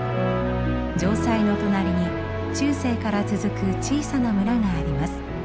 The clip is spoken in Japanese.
城塞の隣に中世から続く小さな村があります。